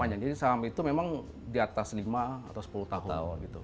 jadi saham itu memang di atas lima atau sepuluh tahun